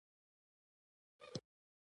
نوی خوب انسان ته انرژي ورکوي